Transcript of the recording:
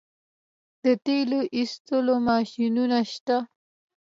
د تیلو ایستلو ماشینونه شته